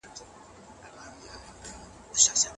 که خلګ پس انداز وکړي د هيواد اقتصاد به ښه سي.